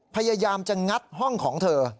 พยายามจะงัดห้องของเธอ